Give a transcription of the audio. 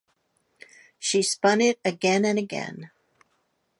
She spun it again and again.